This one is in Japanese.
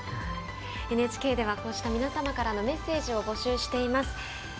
ＮＨＫではこうした皆様からのメッセージを募集しています。